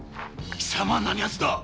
貴様何やつだ！